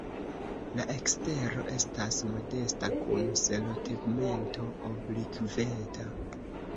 La ekstero etas modesta kun selotegmento oblikveta.